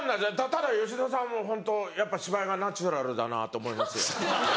ただ吉田さんもホントやっぱ芝居がナチュラルだなと思います。